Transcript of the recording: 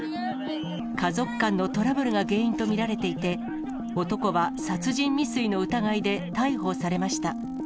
家族間のトラブルが原因と見られていて、男は殺人未遂の疑いで逮捕されました。